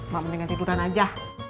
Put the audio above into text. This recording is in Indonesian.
mak mendingan tiduran aja